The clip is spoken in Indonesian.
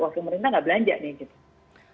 wah pemerintah nggak belanja gitu